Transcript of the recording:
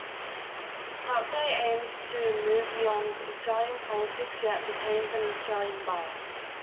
The update aims to move beyond Australian politics, yet retains an Australian bias.